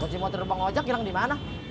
kunci motor bang ojak hilang dimana